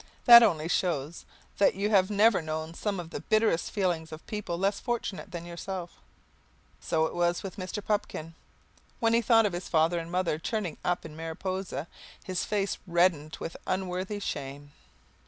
That only shows that you have never known some of the bitterest feelings of people less fortunate than yourself. So it was with Mr. Pupkin. When he thought of his father and mother turning up in Mariposa, his face reddened with unworthy shame.